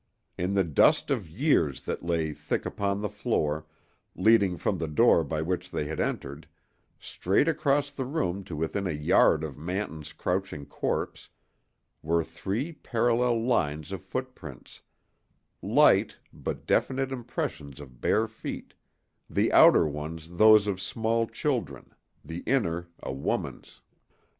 In the dust of years that lay thick upon the floor—leading from the door by which they had entered, straight across the room to within a yard of Manton's crouching corpse—were three parallel lines of footprints—light but definite impressions of bare feet, the outer ones those of small children, the inner a woman's.